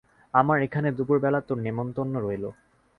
আমার এখানে দুপুর বেলা তোর নেমন্তন্ন রইল।